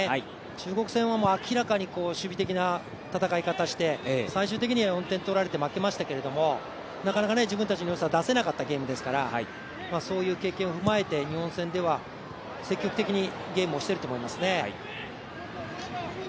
中国戦は明らかに守備的な戦い方をして最終的には４点とられて負けましたけれどもなかなか、自分たちのよさ出せなかったゲームですからそういう経験を踏まえて、日本戦では積極的にゲームをしてると思いますね。